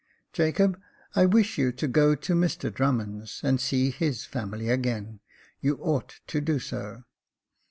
" Jacob, I wish you to go to Mr Drummond's, and see his family again ; you ought to do so."